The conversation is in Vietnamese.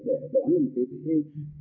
đó là một cái thử thách